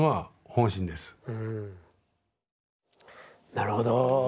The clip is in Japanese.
なるほど。